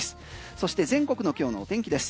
そして全国の今日の天気です。